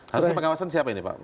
harusnya pengawasan siapa ini pak